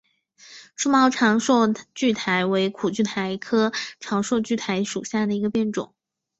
疏毛长蒴苣苔为苦苣苔科长蒴苣苔属下的一个变种。